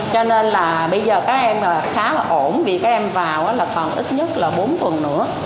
cho nên bây giờ các em khá là ổn vì các em vào còn ít nhất bốn tuần nữa